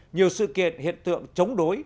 nhiều sự kiện hiện tượng chống đối